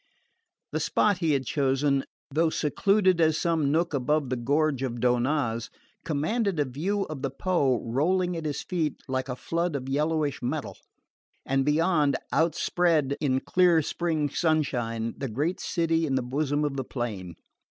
The spot he had chosen, though secluded as some nook above the gorge of Donnaz, commanded a view of the Po rolling at his feet like a flood of yellowish metal, and beyond, outspread in clear spring sunshine, the great city in the bosom of the plain.